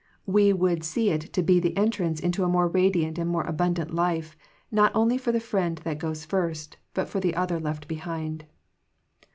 We would see it to be the entrance into a more radiant and a more abundant life not only for the friend that goes first, but for the other left behind.